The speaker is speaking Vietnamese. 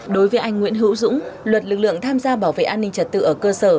đối với anh nguyễn hữu dũng luật lực lượng tham gia bảo vệ an ninh trật tự ở cơ sở